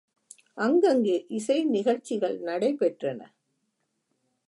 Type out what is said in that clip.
அங்கங்கே இசை நிகழ்ச்சிகள் நடை பெற்றன.